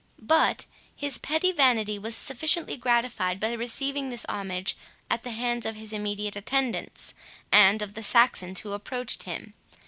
But his petty vanity was sufficiently gratified by receiving this homage at the hands of his immediate attendants, and of the Saxons who approached him.